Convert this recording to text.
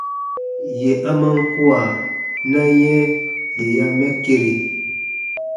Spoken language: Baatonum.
Yè a man kua, na yɛ̃ yè ya mɛ kere.